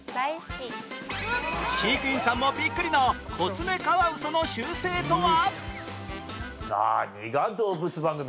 飼育員さんもビックリのコツメカワウソの習性とは？